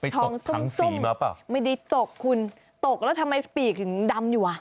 ทองส้มไม่ได้ตกคุณตกแล้วทำไมปีกถึงดำอยู่ว่ะ